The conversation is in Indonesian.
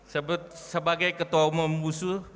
sebut sebagai ketua umum musuh